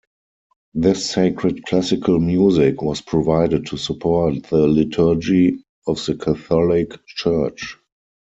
This sacred classical music was provided to support the liturgy of the Catholic Church.